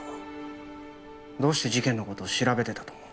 どうして事件の事を調べてたと思う？